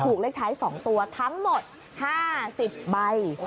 เลขท้าย๒ตัวทั้งหมด๕๐ใบ